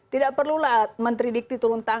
tidak perlulah menteri dikti turun tangan